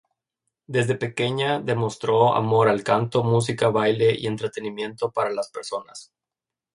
Desde pequeña demostró amor al canto, música, baile y entretenimiento para las personas.